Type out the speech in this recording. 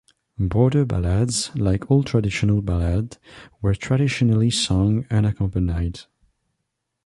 Border ballads, like all traditional ballads, were traditionally sung unaccompanied.